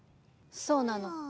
そうなの。